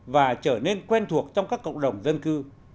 và trở nên quen thuộc trong các cộng đồng dân cư